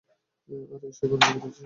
আরে সে এখনো জীবিত আছে।